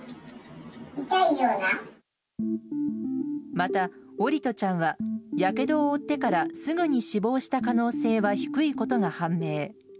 また桜利斗ちゃんはやけどを負ってからすぐに死亡した可能性は低いことが判明。